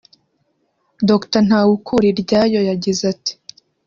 Dr Ntawukuriryayo yagize ati "[